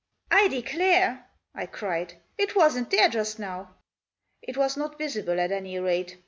" I declare," I cried, " it wasn't there just now." " It was not visible, at any rate.